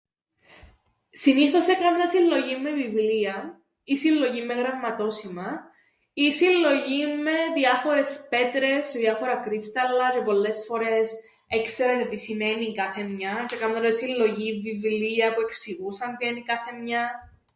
Συνήθως έκαμνα συλλογήν με βιβλία ή συλλογήν με γραμματόσημα ή συλλογήν με διάφορες πέτρες τζ̌αι διάφορα κρύσταλλα, τζ̌αι πολλές φορές έξερα τζ̌αι τι σημαίνει η κάθε μια τζ̌αι έκαμνα τζ̌αι συλλογήν βιβλία που εξηγούσαν τι εν' η κάθε μια.